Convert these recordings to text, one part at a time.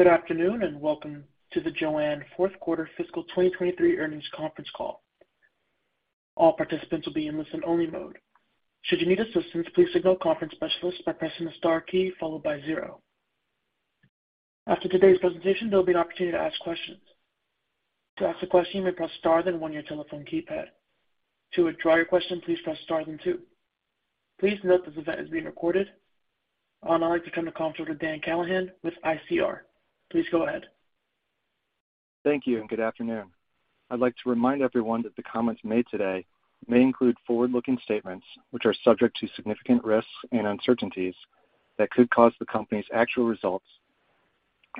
Good afternoon, welcome to the JOANN fourth quarter fiscal 2023 earnings conference call. All participants will be in listen-only mode. Should you need assistance, please signal conference specialist by pressing the star key followed by 0. After today's presentation, there'll be an opportunity to ask questions. To ask a question, you may press star then one on your telephone keypad. To withdraw your question, please press star then two. Please note this event is being recorded. On now to turn the call over to Dan Callahan with ICR. Please go ahead. Thank you and good afternoon. I'd like to remind everyone that the comments made today may include forward-looking statements, which are subject to significant risks and uncertainties that could cause the company's actual results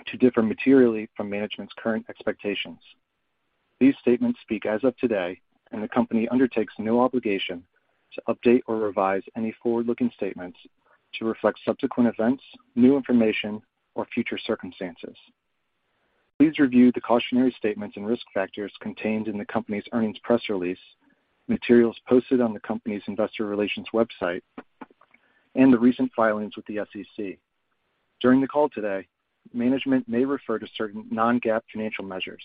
to differ materially from management's current expectations. These statements speak as of today. The company undertakes no obligation to update or revise any forward-looking statements to reflect subsequent events, new information, or future circumstances. Please review the cautionary statements and risk factors contained in the company's earnings press release, materials posted on the company's investor relations website, and the recent filings with the SEC. During the call today, management may refer to certain non-GAAP financial measures.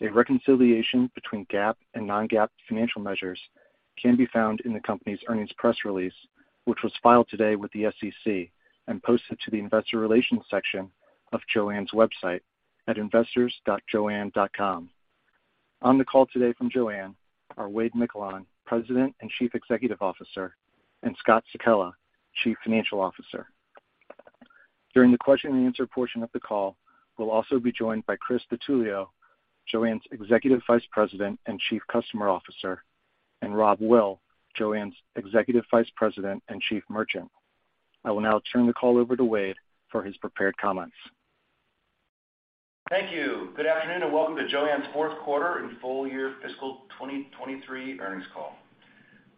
A reconciliation between GAAP and non-GAAP financial measures can be found in the company's earnings press release, which was filed today with the SEC and posted to the investor relations section of JOANN's website at investors.joann.com. On the call today from JOANN are Wade Miquelon, President and Chief Executive Officer, and Scott Sekella, Chief Financial Officer. During the question and answer portion of the call, we'll also be joined by Chris DiTullio, JOANN's Executive Vice President and Chief Customer Officer, and Rob Will, JOANN's Executive Vice President and Chief Merchant. I will now turn the call over to Wade for his prepared comments. Thank you. Good afternoon, and welcome to JOANN's fourth quarter and full year fiscal 2023 earnings call.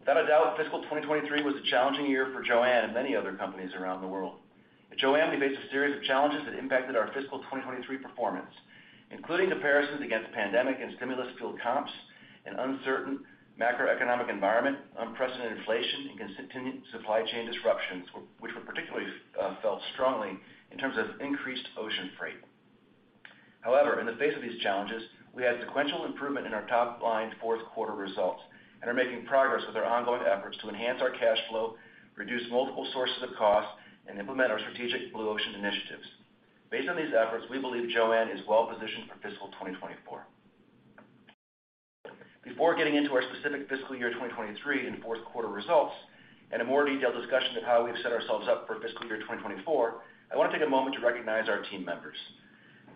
Without a doubt, fiscal 2023 was a challenging year for JOANN and many other companies around the world. At JOANN, we faced a series of challenges that impacted our fiscal 2023 performance, including comparisons against pandemic and stimulus-fueled comps and uncertain macroeconomic environment, unprecedented inflation, and continued supply chain disruptions, which were particularly felt strongly in terms of increased ocean freight. However, in the face of these challenges, we had sequential improvement in our top-line fourth quarter results and are making progress with our ongoing efforts to enhance our cash flow, reduce multiple sources of cost, and implement our strategic Blue Ocean initiatives. Based on these efforts, we believe JOANN is well positioned for fiscal 2024. Before getting into our specific fiscal year 2023 and fourth quarter results and a more detailed discussion of how we've set ourselves up for fiscal year 2024, I wanna take a moment to recognize our team members.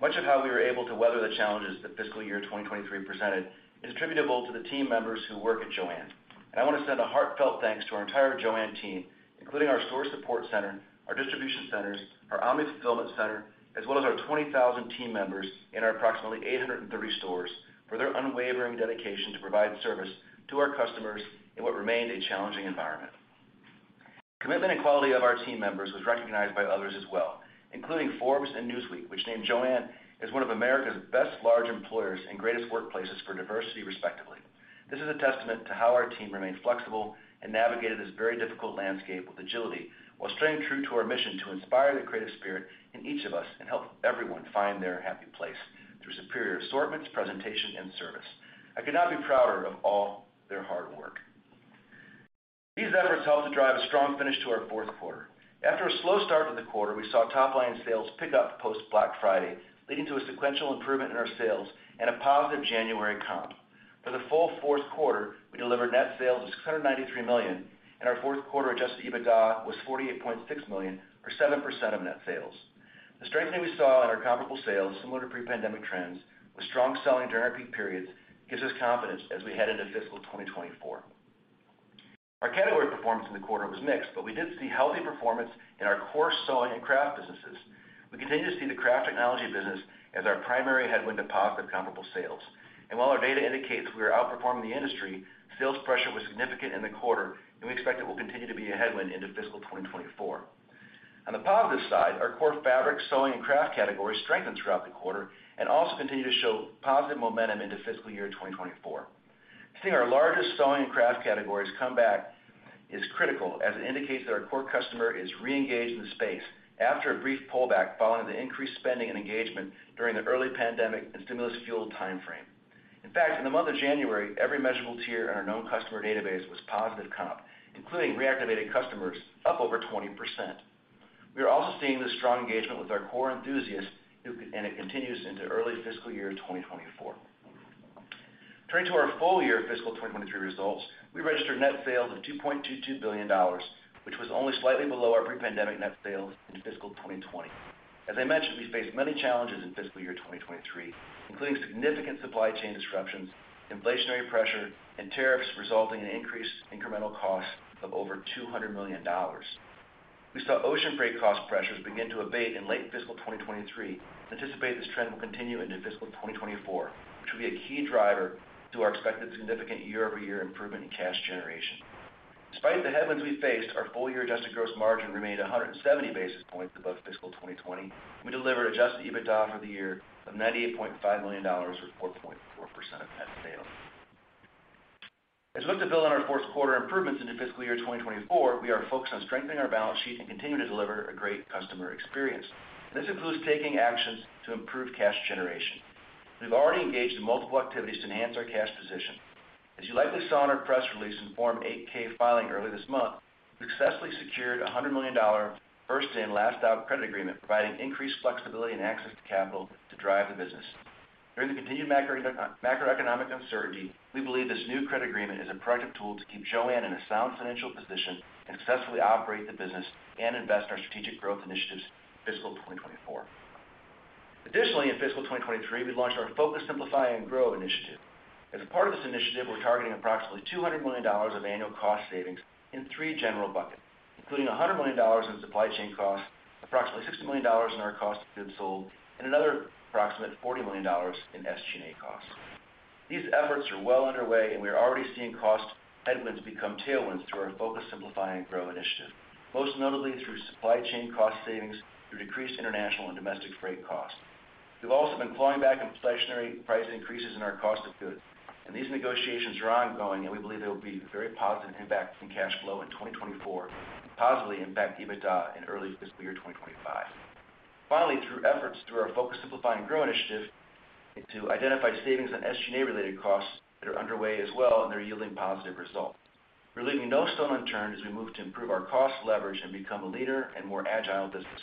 Much of how we were able to weather the challenges that fiscal year 2023 presented is attributable to the team members who work at JOANN. I want to send a heartfelt thanks to our entire JOANN team, including our store support center, our distribution centers, our omni fulfillment center, as well as our 20,000 team members in our approximately 830 stores for their unwavering dedication to provide service to our customers in what remained a challenging environment. Commitment and quality of our team members was recognized by others as well, including Forbes and Newsweek, which named JOANN as one of America's best large employers and greatest workplaces for diversity, respectively. This is a testament to how our team remained flexible and navigated this very difficult landscape with agility while staying true to our mission to inspire the creative spirit in each of us and help everyone find their happy place through superior assortments, presentation, and service. I could not be prouder of all their hard work. These efforts helped to drive a strong finish to our fourth quarter. After a slow start to the quarter, we saw top-line sales pick up post-Black Friday, leading to a sequential improvement in our sales and a positive January comp. For the full fourth quarter, we delivered net sales of $693 million. Our fourth quarter Adjusted EBITDA was $48.6 million or 7% of net sales. The strengthening we saw in our comparable sales, similar to pre-pandemic trends, with strong selling during our peak periods, gives us confidence as we head into fiscal 2024. Our category performance in the quarter was mixed. We did see healthy performance in our core sewing and craft businesses. We continue to see the craft technology business as our primary headwind deposit comparable sales. While our data indicates we are outperforming the industry, sales pressure was significant in the quarter, and we expect it will continue to be a headwind into fiscal 2024. On the positive side, our core fabric, sewing, and craft categories strengthened throughout the quarter and also continue to show positive momentum into fiscal year 2024. Seeing our largest sewing and craft categories come back is critical as it indicates that our core customer is reengaged in the space after a brief pullback following the increased spending and engagement during the early pandemic and stimulus-fueled timeframe. In fact, in the month of January, every measurable tier in our known customer database was positive comp, including reactivated customers up over 20%. We are also seeing the strong engagement with our core enthusiasts and it continues into early fiscal year 2024. Turning to our full year fiscal 2023 results, we registered net sales of $2.22 billion, which was only slightly below our pre-pandemic net sales in fiscal 2020. As I mentioned, we faced many challenges in fiscal year 2023, including significant supply chain disruptions, inflationary pressure, and tariffs resulting in increased incremental costs of over $200 million. We saw ocean freight cost pressures begin to abate in late fiscal 2023 and anticipate this trend will continue into fiscal 2024, which will be a key driver to our expected significant year-over-year improvement in cash generation. Despite the headwinds we faced, our full year adjusted gross margin remained 170 basis points above fiscal 2020. We delivered Adjusted EBITDA for the year of $98.5 million, or 4.4% of net sales. We look to build on our fourth quarter improvements into fiscal year 2024, we are focused on strengthening our balance sheet and continuing to deliver a great customer experience. This includes taking actions to improve cash generation. We've already engaged in multiple activities to enhance our cash position. As you likely saw in our press release and Form 8-K filing earlier this month, we successfully secured a $100 million first-in, last-out credit agreement, providing increased flexibility and access to capital to drive the business. During the continued macroeconomic uncertainty, we believe this new credit agreement is a productive tool to keep JOANN in a sound financial position, and successfully operate the business and invest in our strategic growth initiatives in fiscal 2024. Additionally, in fiscal 2023, we launched our Focus, Simplify, and Grow initiative. As a part of this initiative, we're targeting approximately $200 million of annual cost savings in three general buckets, including $100 million in supply chain costs, approximately $60 million in our cost of goods sold, and another approximate $40 million in SG&A costs. These efforts are well underway, and we are already seeing cost headwinds become tailwinds through our Focus, Simplify, and Grow initiative. Most notably through supply chain cost savings through decreased international and domestic freight costs. We've also been clawing back inflationary price increases in our cost of goods, and these negotiations are ongoing and we believe there will be very positive impact in cash flow in 2024, and positively impact EBITDA in early fiscal year 2025. Finally, through efforts through our Focus, Simplify, and Grow initiative to identify savings on SG&A related costs that are underway as well, and they're yielding positive results. We're leaving no stone unturned as we move to improve our cost leverage and become a leaner and more agile business.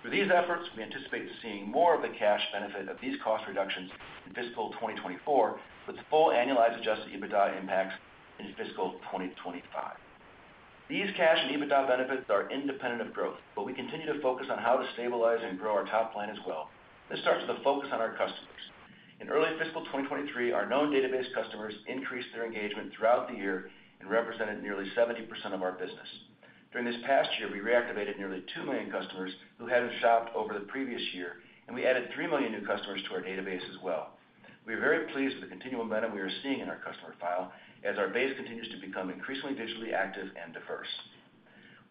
For these efforts, we anticipate seeing more of the cash benefit of these cost reductions in fiscal 2024, with the full annualized Adjusted EBITDA impacts in fiscal 2025. These cash and EBITDA benefits are independent of growth, but we continue to focus on how to stabilize and grow our top plan as well. This starts with a focus on our customers. In early fiscal 2023, our known database customers increased their engagement throughout the year and represented nearly 70% of our business. During this past year, we reactivated nearly 2 million customers who hadn't shopped over the previous year. We added 3 million new customers to our database as well. We are very pleased with the continual momentum we are seeing in our customer file as our base continues to become increasingly digitally active and diverse.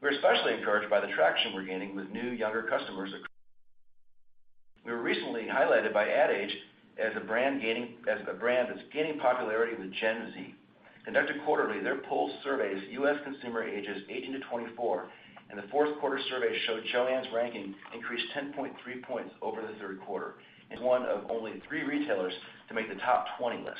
We're especially encouraged by the traction we're gaining with new, younger customers. We were recently highlighted by Ad Age as a brand that's gaining popularity with Gen Z. Conducted quarterly, their poll surveys U.S. consumer ages 18 to 24. The fourth quarter survey showed JOANN's ranking increased 10.3 points over the third quarter, one of only three retailers to make the top 20 list.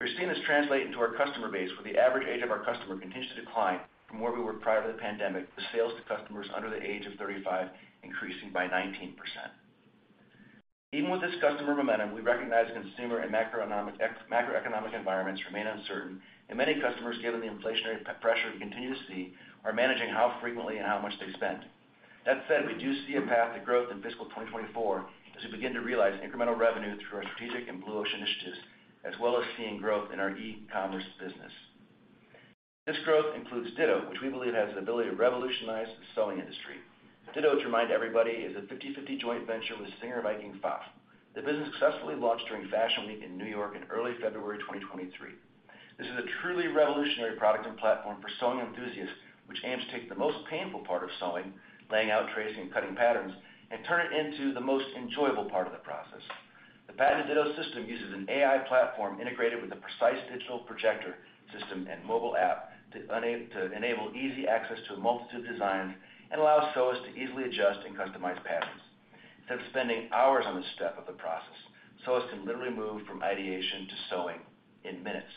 We're seeing this translate into our customer base with the average age of our customer continues to decline from where we were prior to the pandemic, with sales to customers under the age of 35 increasing by 19%. Even with this customer momentum, we recognize consumer and macroeconomic environments remain uncertain, and many customers, given the inflationary pressure we continue to see, are managing how frequently and how much they spend. That said, we do see a path to growth in fiscal 2024 as we begin to realize incremental revenue through our strategic and Blue Ocean initiatives, as well as seeing growth in our e-commerce business. This growth includes Ditto, which we believe has the ability to revolutionize the sewing industry. Ditto, to remind everybody, is a 50/50 joint venture with Singer Viking PFAFF. The business successfully launched during Fashion Week in New York in early February 2023. This is a truly revolutionary product and platform for sewing enthusiasts, which aims to take the most painful part of sewing, laying out, tracing, and cutting patterns, and turn it into the most enjoyable part of the process. The patented Ditto system uses an AI platform integrated with a precise digital projector system and mobile app to enable easy access to a multitude of designs and allows sewists to easily adjust and customize patterns. Instead of spending hours on this step of the process, sewists can literally move from ideation to sewing in minutes.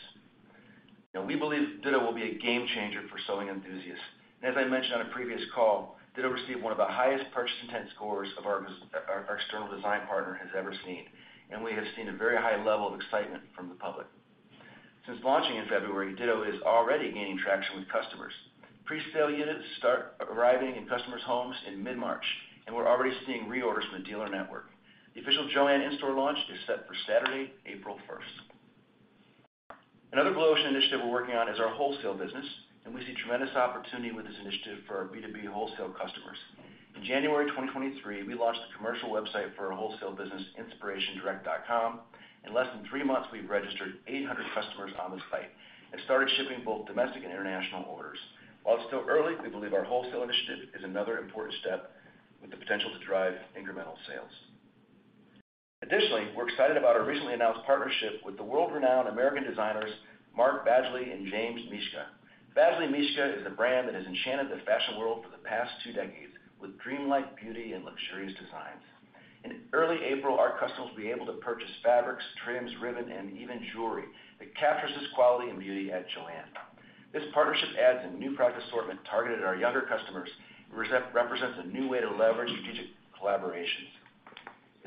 We believe Ditto will be a game changer for sewing enthusiasts. As I mentioned on a previous call, Ditto received one of the highest purchase intent scores of our external design partner has ever seen, and we have seen a very high level of excitement from the public. Since launching in February, Ditto is already gaining traction with customers. Pre-sale units start arriving in customers' homes in mid-March, and we're already seeing reorders from the dealer network. The official JOANN in-store launch is set for Saturday, April first. Another Blue Ocean initiative we're working on is our wholesale business, and we see tremendous opportunity with this initiative for our B2B wholesale customers. In January 2023, we launched the commercial website for our wholesale business, inspirationdirect.com. In less than three months, we've registered 800 customers on the site and started shipping both domestic and international orders. While it's still early, we believe our wholesale initiative is another important step with the potential to drive incremental sales. Additionally, we're excited about our recently announced partnership with the world-renowned American designers Mark Badgley and James Mischka. Badgley Mischka is a brand that has enchanted the fashion world for the past two decades with dreamlike beauty and luxurious designs. In early April, our customers will be able to purchase fabrics, trims, ribbon, and even jewelry that captures this quality and beauty at JOANN. This partnership adds a new product assortment targeted at our younger customers and represents a new way to leverage strategic collaborations.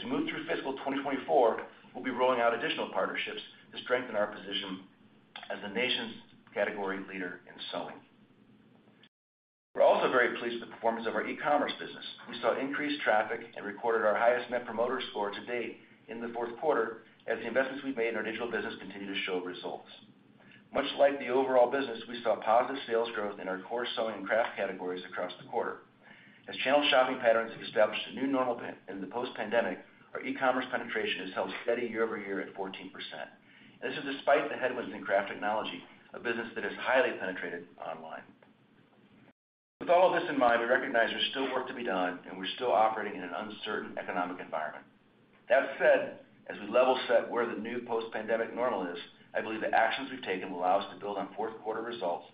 As we move through fiscal 2024, we'll be rolling out additional partnerships to strengthen our position as the nation's category leader in sewing. We're also very pleased with the performance of our e-commerce business. We saw increased traffic and recorded our highest Net Promoter Score to date in the fourth quarter as the investments we've made in our digital business continue to show results. Much like the overall business, we saw positive sales growth in our core sewing and craft categories across the quarter. As channel shopping patterns established a new normal in the post-pandemic, our e-commerce penetration has held steady year-over-year at 14%. This is despite the headwinds in craft technology, a business that is highly penetrated online. With all of this in mind, we recognize there's still work to be done and we're still operating in an uncertain economic environment. That said, as we level set where the new post-pandemic normal is, I believe the actions we've taken allow us to build on fourth quarter results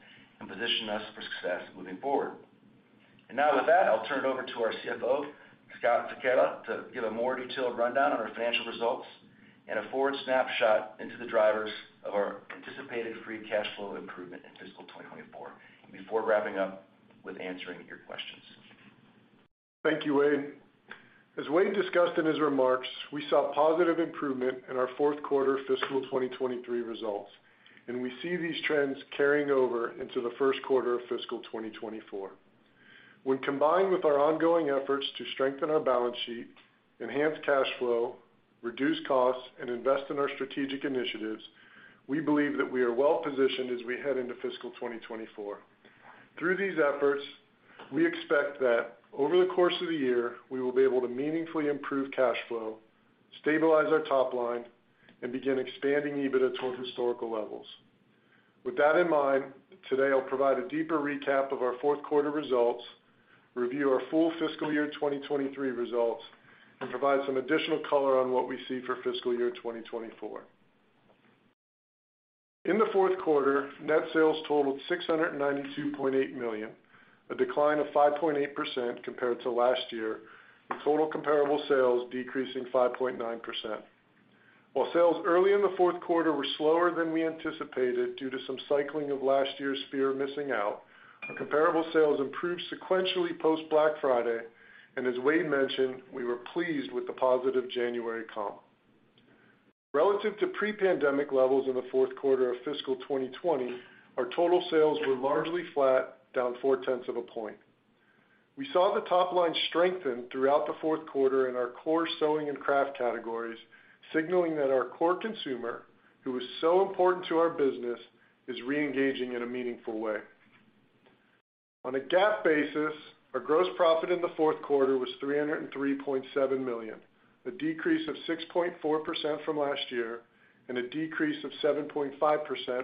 and position us for success moving forward. Now with that, I'll turn it over to our CFO, Scott Sekella, to give a more detailed rundown on our financial results and a forward snapshot into the drivers of our anticipated free cash flow improvement in fiscal 2024 before wrapping up with answering your questions. Thank you, Wade. As Wade discussed in his remarks, we saw positive improvement in our fourth quarter fiscal 2023 results, and we see these trends carrying over into the first quarter of fiscal 2024. When combined with our ongoing efforts to strengthen our balance sheet, enhance cash flow, reduce costs, and invest in our strategic initiatives, we believe that we are well-positioned as we head into fiscal 2024. Through these efforts, we expect that over the course of the year, we will be able to meaningfully improve cash flow, stabilize our top line, and begin expanding EBITDA toward historical levels. With that in mind, today I'll provide a deeper recap of our fourth quarter results, review our full fiscal year 2023 results, and provide some additional color on what we see for fiscal year 2024. In the fourth quarter, net sales totaled $692.8 million, a decline of 5.8% compared to last year, with total comparable sales decreasing 5.9%. While sales early in the fourth quarter were slower than we anticipated due to some cycling of last year's fear of missing out, our comparable sales improved sequentially post-Black Friday. As Wade mentioned, we were pleased with the positive January comp. Relative to pre-pandemic levels in the fourth quarter of fiscal 2020, our total sales were largely flat, down four-tenths of a point. We saw the top line strengthen throughout the fourth quarter in our core sewing and craft categories, signaling that our core consumer, who is so important to our business, is re-engaging in a meaningful way. On a GAAP basis, our gross profit in the fourth quarter was $303.7 million, a decrease of 6.4% from last year and a decrease of 7.5%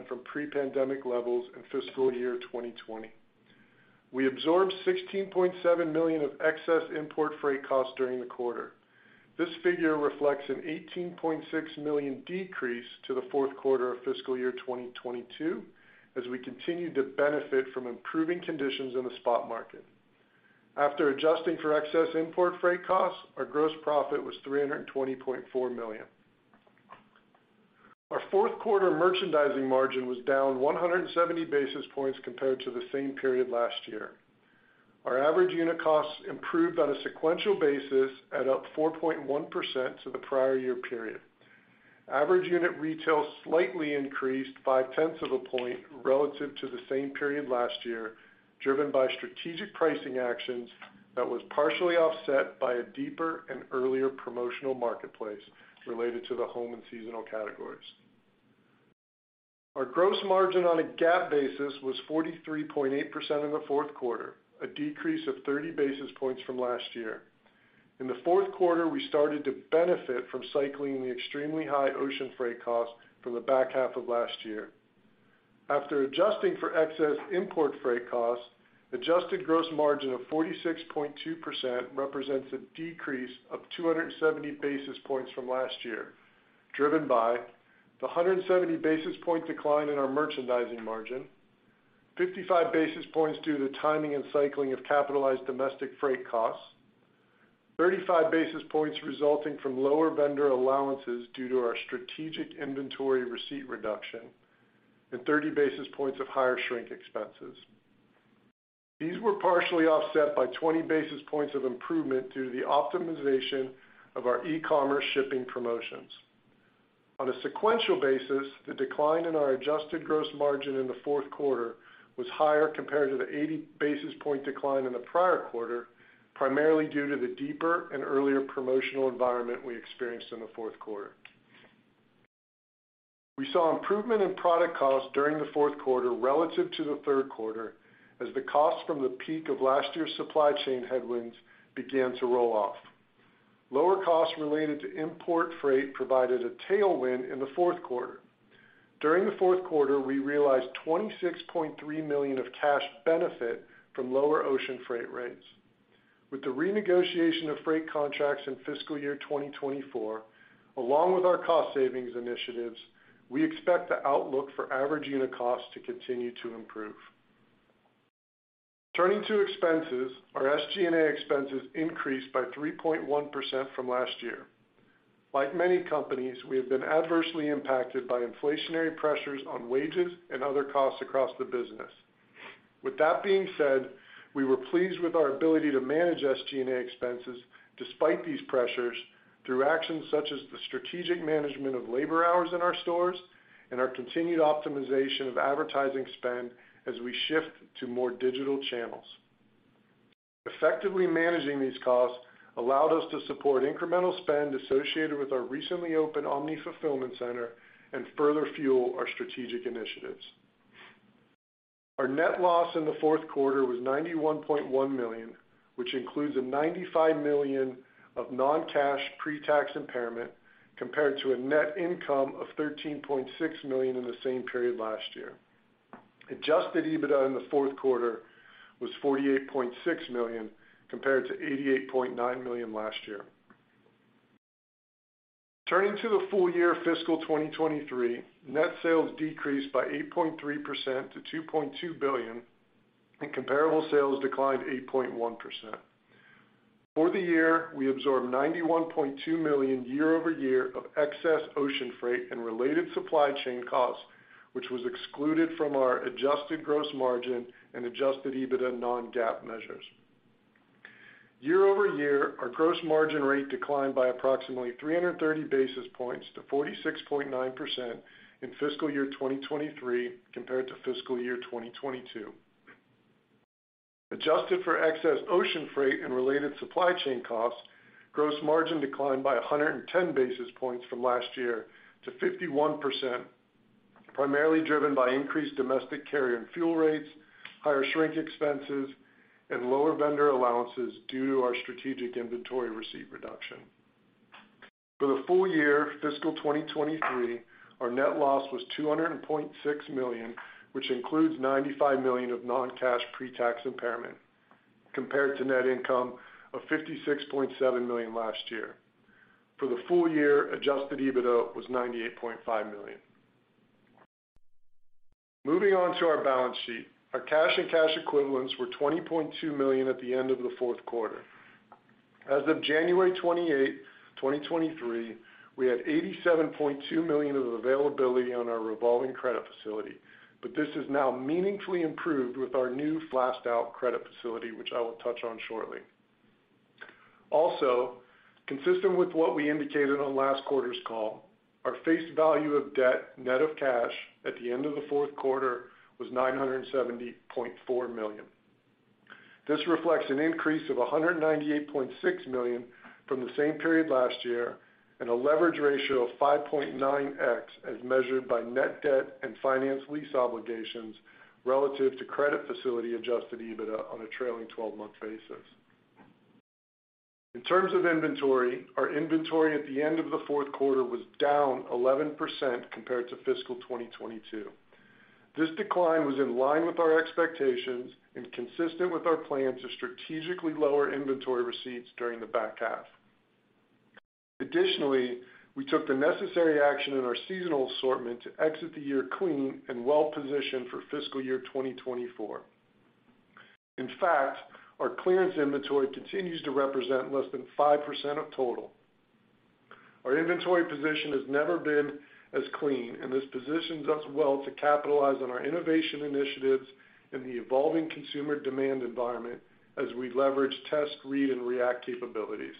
from pre-pandemic levels in fiscal year 2020. We absorbed $16.7 million of excess import freight costs during the quarter. This figure reflects an $18.6 million decrease to the fourth quarter of fiscal year 2022 as we continued to benefit from improving conditions in the spot market. After adjusting for excess import freight costs, our gross profit was $320.4 million. Our fourth quarter merchandising margin was down 170 basis points compared to the same period last year. Our average unit costs improved on a sequential basis at up 4.1% to the prior year period. Average unit retail slightly increased five-tenths of a point relative to the same period last year, driven by strategic pricing actions that was partially offset by a deeper and earlier promotional marketplace related to the home and seasonal categories. Our gross margin on a GAAP basis was 43.8% in the fourth quarter, a decrease of 30 basis points from last year. In the fourth quarter, we started to benefit from cycling the extremely high ocean freight costs from the back half of last year. After adjusting for excess import freight costs, adjusted gross margin of 46.2% represents a decrease of 270 basis points from last year, driven by the 170 basis point decline in our merchandising margin, 55 basis points due to timing and cycling of capitalized domestic freight costs, 35 basis points resulting from lower vendor allowances due to our strategic inventory receipt reduction, and 30 basis points of higher shrink expenses. These were partially offset by 20 basis points of improvement due to the optimization of our e-commerce shipping promotions. On a sequential basis, the decline in our adjusted gross margin in the fourth quarter was higher compared to the 80 basis point decline in the prior quarter, primarily due to the deeper and earlier promotional environment we experienced in the fourth quarter. We saw improvement in product costs during the fourth quarter relative to the third quarter as the costs from the peak of last year's supply chain headwinds began to roll off. Lower costs related to import freight provided a tailwind in the fourth quarter. During the fourth quarter, we realized $26.3 million of cash benefit from lower ocean freight rates. With the renegotiation of freight contracts in fiscal year 2024, along with our cost savings initiatives, we expect the outlook for average unit costs to continue to improve. Turning to expenses, our SG&A expenses increased by 3.1% from last year. Like many companies, we have been adversely impacted by inflationary pressures on wages and other costs across the business. With that being said, we were pleased with our ability to manage SG&A expenses despite these pressures through actions such as the strategic management of labor hours in our stores and our continued optimization of advertising spend as we shift to more digital channels. Effectively managing these costs allowed us to support incremental spend associated with our recently opened omni-fulfillment center and further fuel our strategic initiatives. Our net loss in the fourth quarter was $91.1 million, which includes a $95 million of non-cash pre-tax impairment compared to a net income of $13.6 million in the same period last year. Adjusted EBITDA in the fourth quarter was $48.6 million compared to $88.9 million last year. Turning to the full year fiscal 2023, net sales decreased by 8.3% to $2.2 billion, comparable sales declined 8.1%. For the year, we absorbed $91.2 million year-over-year of excess ocean freight and related supply chain costs, which was excluded from our adjusted gross margin and Adjusted EBITDA non-GAAP measures. Year-over-year, our gross margin rate declined by approximately 330 basis points to 46.9% in fiscal year 2023 compared to fiscal year 2022. Adjusted for excess ocean freight and related supply chain costs, gross margin declined by 110 basis points from last year to 51%, primarily driven by increased domestic carrier and fuel rates, higher shrink expenses, and lower vendor allowances due to our strategic inventory receipt reduction. For the full year fiscal 2023, our net loss was $200.6 million, which includes $95 million of non-cash pre-tax impairment compared to net income of $56.7 million last year. For the full year, Adjusted EBITDA was $98.5 million. Moving on to our balance sheet. Our cash and cash equivalents were $20.2 million at the end of the fourth quarter. As of January 28, 2023, we had $87.2 million of availability on our revolving credit facility. This is now meaningfully improved with our new first-in, last-out credit facility, which I will touch on shortly. Consistent with what we indicated on last quarter's call, our face value of debt net of cash at the end of the fourth quarter was $970.4 million. This reflects an increase of $198.6 million from the same period last year, and a leverage ratio of 5.9x as measured by net debt and finance lease obligations relative to credit facility Adjusted EBITDA on a trailing 12-month basis. In terms of inventory, our inventory at the end of the fourth quarter was down 11% compared to fiscal 2022. This decline was in line with our expectations and consistent with our plan to strategically lower inventory receipts during the back half. Additionally, we took the necessary action in our seasonal assortment to exit the year clean and well-positioned for fiscal year 2024. In fact, our clearance inventory continues to represent less than 5% of total. Our inventory position has never been as clean. This positions us well to capitalize on our innovation initiatives in the evolving consumer demand environment as we leverage test, read, and react capabilities.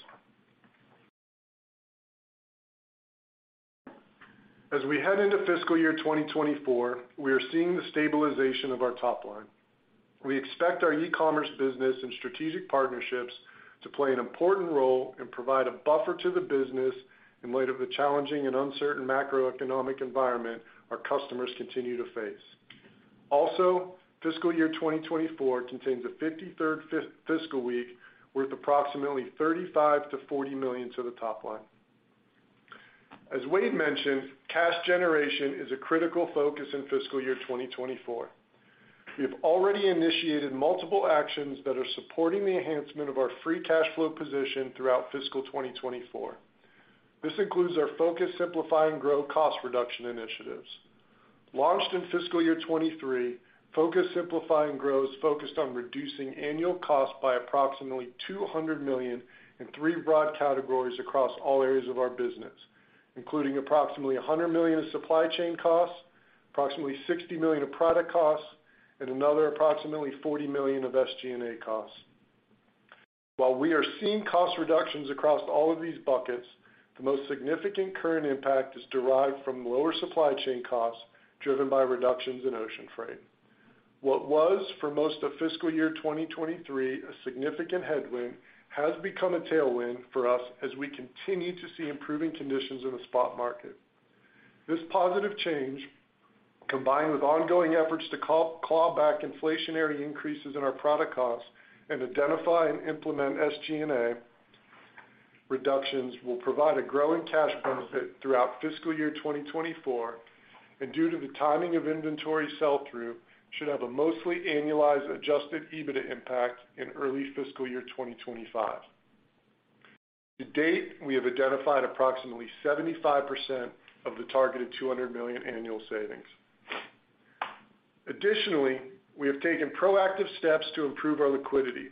As we head into fiscal year 2024, we are seeing the stabilization of our top line. We expect our e-commerce business and strategic partnerships to play an important role and provide a buffer to the business in light of the challenging and uncertain macroeconomic environment our customers continue to face. Fiscal year 2024 contains a 53rd fiscal week worth approximately $35 million-$40 million to the top line. As Wade mentioned, cash generation is a critical focus in fiscal year 2024. We have already initiated multiple actions that are supporting the enhancement of our free cash flow position throughout fiscal 2024. This includes our Focus, Simplify, and Grow cost reduction initiatives. Launched in fiscal year 2023, Focus, Simplify, and Grow is focused on reducing annual costs by approximately $200 million in three broad categories across all areas of our business, including approximately $100 million in supply chain costs, approximately $60 million in product costs, and another approximately $40 million of SG&A costs. While we are seeing cost reductions across all of these buckets, the most significant current impact is derived from lower supply chain costs driven by reductions in ocean freight. What was for most of fiscal year 2023 a significant headwind has become a tailwind for us as we continue to see improving conditions in the spot market. This positive change, combined with ongoing efforts to claw back inflationary increases in our product costs and identify and implement SG&A reductions, will provide a growing cash benefit throughout fiscal year 2024, and due to the timing of inventory sell-through, should have a mostly annualized Adjusted EBITDA impact in early fiscal year 2025. To date, we have identified approximately 75% of the targeted $200 million annual savings. Additionally, we have taken proactive steps to improve our liquidity.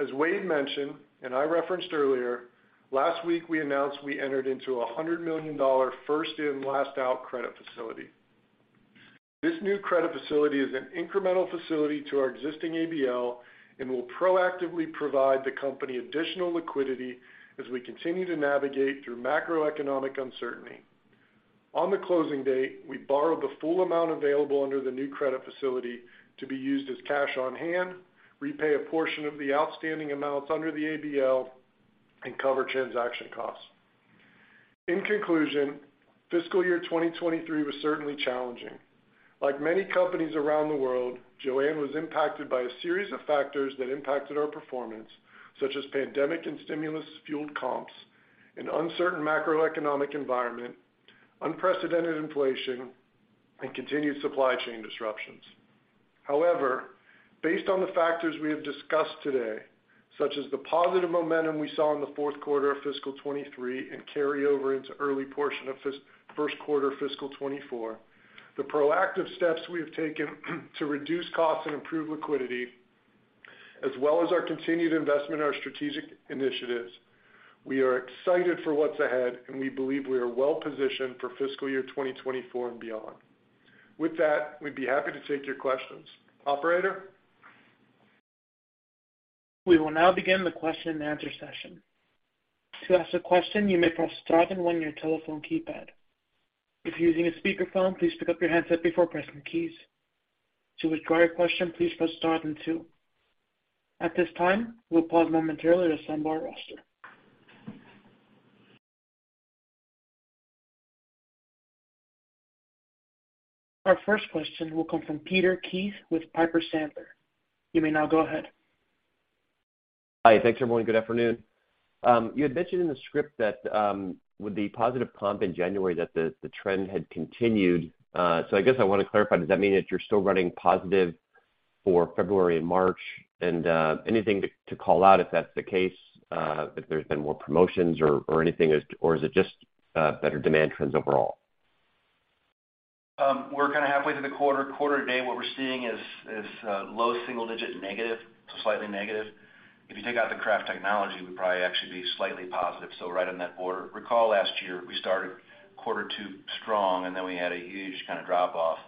As Wade mentioned, and I referenced earlier, last week we announced we entered into a $100 million first in, last out credit facility. This new credit facility is an incremental facility to our existing ABL and will proactively provide the company additional liquidity as we continue to navigate through macroeconomic uncertainty. On the closing date, we borrowed the full amount available under the new credit facility to be used as cash on-hand, repay a portion of the outstanding amounts under the ABL, and cover transaction costs. In conclusion, fiscal year 2023 was certainly challenging. Like many companies around the world, JOANN was impacted by a series of factors that impacted our performance, such as pandemic and stimulus-fueled comps, an uncertain macroeconomic environment, unprecedented inflation, and continued supply chain disruptions. However, based on the factors we have discussed today, such as the positive momentum we saw in the fourth quarter of fiscal 2023 and carryover into early portion of first quarter of fiscal 2024, the proactive steps we have taken to reduce costs and improve liquidity, as well as our continued investment in our strategic initiatives. We are excited for what's ahead, and we believe we are well-positioned for fiscal year 2024 and beyond. With that, we'd be happy to take your questions. Operator? We will now begin the question-and-answer session. To ask a question, you may press star then one on your telephone keypad. If you're using a speakerphone, please pick up your handset before pressing keys. To withdraw your question, please press star then two. At this time, we'll pause momentarily to assemble our roster. Our first question will come from Peter Keith with Piper Sandler. You may now go ahead. Hi. Thanks, everyone. Good afternoon. You had mentioned in the script that, with the positive comp in January that the trend had continued. I guess I wanna clarify, does that mean that you're still running positive for February and March? Anything to call out if that's the case, if there's been more promotions or anything? Or is it just better demand trends overall? We're kinda halfway through the quarter. Quarter to date, what we're seeing is low single-digit negative to slightly negative. If you take out the craft technology, we'd probably actually be slightly positive, so right on that border. Recall last year, we started quarter two strong, and then we had a huge kinda drop off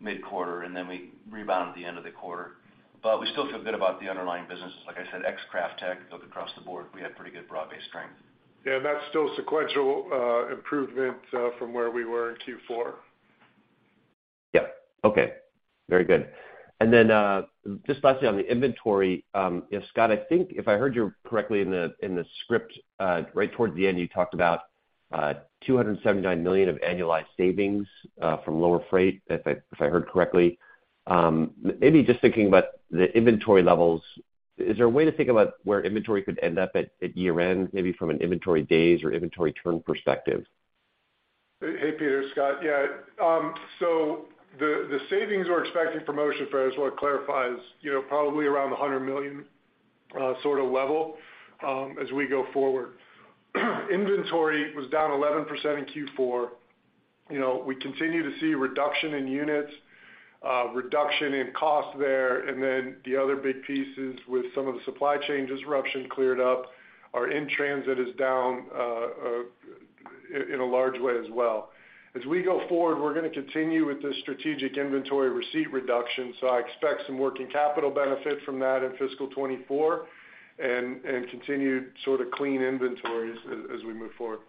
mid-quarter, and then we rebounded at the end of the quarter. We still feel good about the underlying business. Like I said, ex-craft tech, across the board, we had pretty good broad-based strength. Yeah, that's still sequential improvement from where we were in Q4. Yeah. Okay. Very good. Just lastly on the inventory, if Scott, I think if I heard you correctly in the script, right towards the end, you talked about $279 million of annualized savings from lower freight, if I heard correctly. Maybe just thinking about the inventory levels, is there a way to think about where inventory could end up at year-end, maybe from an inventory days or inventory turn perspective? Hey, Peter. Scott. Yeah. The, the savings we're expecting from ocean freight, I just wanna clarify, is, you know, probably around the $100 million, sorta level, as we go forward. Inventory was down 11% in Q4. You know, we continue to see a reduction in units, reduction in cost there, and then the other big pieces with some of the supply chain disruption cleared up. Our in-transit is down in a large way as well. As we go forward, we're gonna continue with the strategic inventory receipt reduction, so I expect some working capital benefit from that in fiscal 2024 and continued sorta clean inventories as we move forward.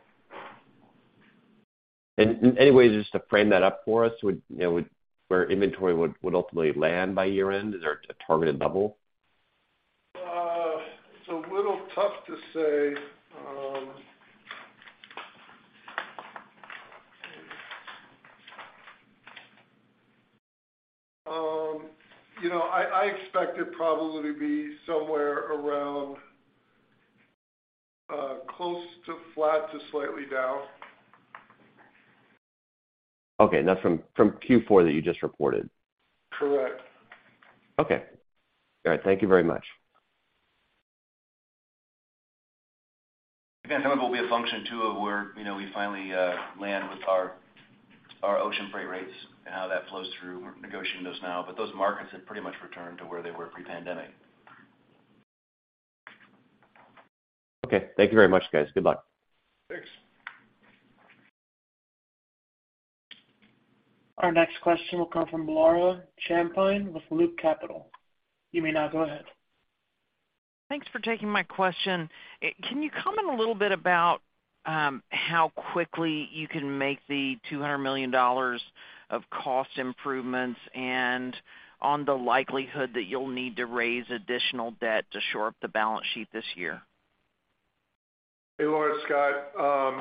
Any way just to frame that up for us, you know, where inventory would ultimately land by year-end? Is there a targeted level? It's a little tough to say. You know, I expect it probably to be somewhere around close to flat to slightly down. Okay. That's from Q4 that you just reported. Correct. Okay. All right. Thank you very much. Some of it will be a function too of where, you know, we finally land with our ocean freight rates and how that flows through. We're negotiating those now, but those markets have pretty much returned to where they were pre-pandemic. Okay. Thank you very much, guys. Good luck. Thanks. Our next question will come from Laura Champine with Loop Capital. You may now go ahead. Thanks for taking my question. Can you comment a little bit about how quickly you can make the $200 million of cost improvements and on the likelihood that you'll need to raise additional debt to shore up the balance sheet this year? Hey, Laura. Scott.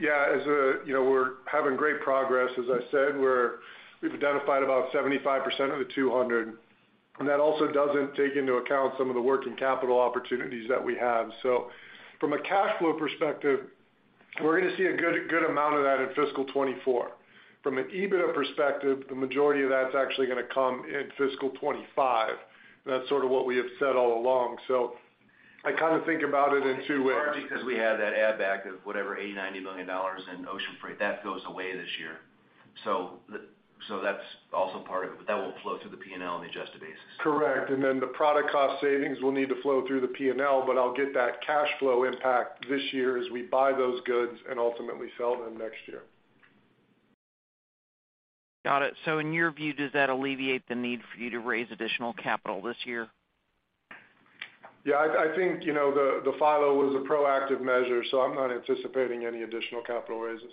Yeah, as you know, we're having great progress, as I said. We've identified about 75% of the 200, and that also doesn't take into account some of the working capital opportunities that we have. From a cash flow perspective, we're gonna see a good amount of that in fiscal 2024. From an EBITDA perspective, the majority of that's actually gonna come in fiscal 2025. That's sort of what we have said all along. I kinda think about it in two ways. Partly because we had that add back of whatever, $80 million-$90 million in ocean freight. That goes away this year. That's also part of it, but that will flow through the P&L on an adjusted basis. Correct. The product cost savings will need to flow through the P&L, but I'll get that cash flow impact this year as we buy those goods and ultimately sell them next year. Got it. In your view, does that alleviate the need for you to raise additional capital this year? Yeah, I think, you know, the FILO was a proactive measure, so I'm not anticipating any additional capital raises.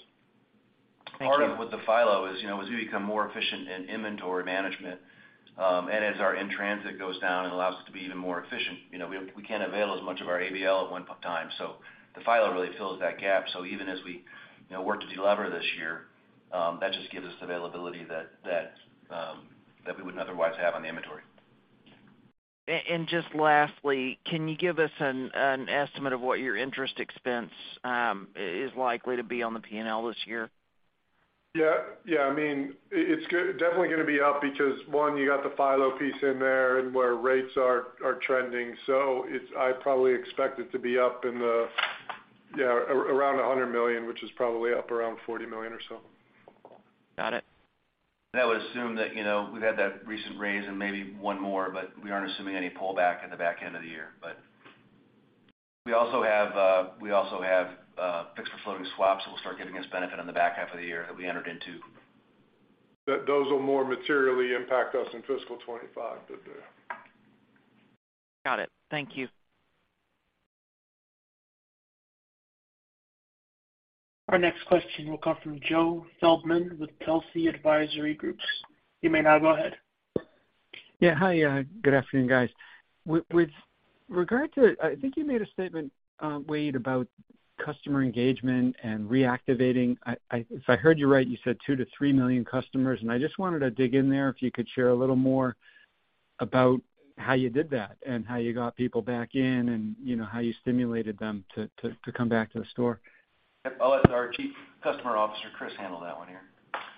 Part of what the FILO is, you know, as we become more efficient in inventory management, and as our in-transit goes down and allows us to be even more efficient, you know, we can't avail as much of our ABL at one p-time. The FILO really fills that gap. Even as we, you know, work to delever this year, that just gives us availability that we wouldn't otherwise have on the inventory. Just lastly, can you give us an estimate of what your interest expense is likely to be on the P&L this year? Yeah. Yeah. I mean, it's definitely gonna be up because, one, you got the FILO piece in there and where rates are trending. It's. I probably expect it to be up in the, yeah, around $100 million, which is probably up around $40 million or so. Got it. That would assume that, you know, we've had that recent raise and maybe one more, but we aren't assuming any pullback at the back end of the year. We also have fixed-for-floating swaps that will start giving us benefit on the back half of the year that we entered into. Those will more materially impact us in fiscal 2025, but yeah. Got it. Thank you. Our next question will come from Joe Feldman with Telsey Advisory Group. You may now go ahead. Hi. good afternoon, guys. With regard to, I think you made a statement, Wade, about customer engagement and reactivating. If I heard you right, you said 2 million-3 million customers, and I just wanted to dig in there, if you could share a little more about how you did that and how you got people back in and, you know, how you stimulated them to come back to the store. I'll let our Chief Customer Officer, Chris, handle that one here.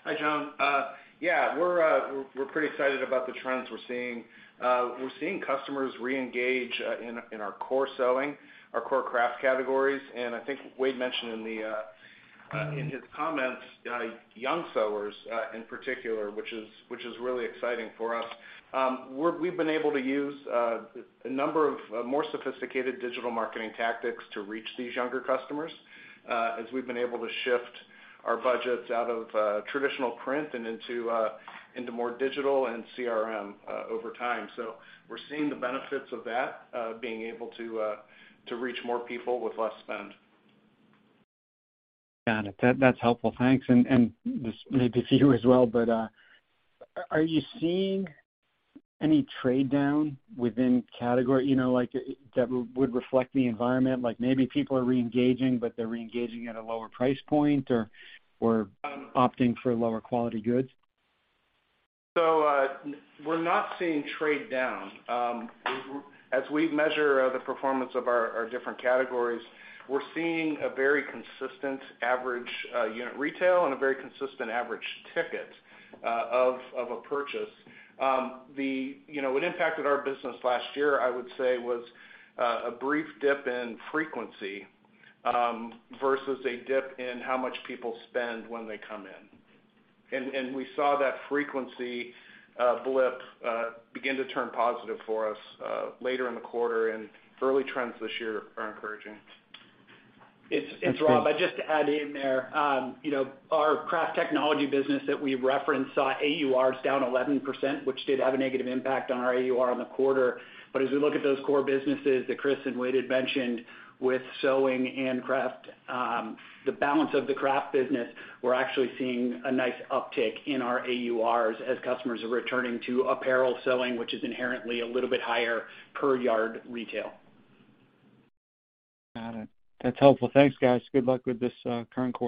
Hi, Joe. Yeah, we're pretty excited about the trends we're seeing. We're seeing customers reengage in our core sewing, our core craft categories, and I think Wade mentioned in the, in his comments, young sewers in particular, which is really exciting for us. We've been able to use a number of more sophisticated digital marketing tactics to reach these younger customers, as we've been able to shift our budgets out of traditional print and into more digital and CRM over time. We're seeing the benefits of that, being able to reach more people with less spend. Got it. That's helpful. Thanks. This may be for you as well, but, are you seeing any trade down within category, you know, like, that would reflect the environment? Like maybe people are reengaging, but they're reengaging at a lower price point or opting for lower quality goods? We're not seeing trade down. As we measure the performance of our different categories, we're seeing a very consistent average unit retail and a very consistent average ticket of a purchase. You know, what impacted our business last year, I would say, was a brief dip in frequency versus a dip in how much people spend when they come in. We saw that frequency blip begin to turn positive for us later in the quarter, and early trends this year are encouraging. It's. Rob, I'd just add in there, you know, our craft technology business that we referenced saw AURs down 11%, which did have a negative impact on our AUR in the quarter. As we look at those core businesses that Chris and Wade had mentioned with sewing and craft, the balance of the craft business, we're actually seeing a nice uptick in our AURs as customers are returning to apparel sewing, which is inherently a little bit higher per yard retail. Got it. That's helpful. Thanks, guys. Good luck with this, current quarter.